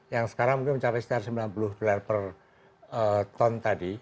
yang sekarang mungkin mencapai sekitar rp sembilan puluh per ton